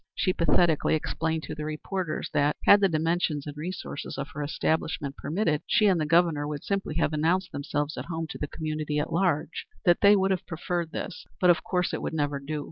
She pathetically explained to the reporters that, had the dimensions and resources of her establishment permitted, she and the Governor would simply have announced themselves at home to the community at large; that they would have preferred this, but of course it would never do.